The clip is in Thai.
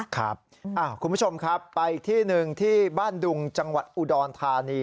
คุณผู้ชมครับไปอีกที่หนึ่งที่บ้านดุงจังหวัดอุดรธานี